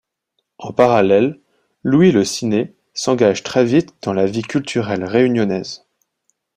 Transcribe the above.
En parallèle, Louis Le Siner s’engage très vite dans la vie culturelle réunionnaise.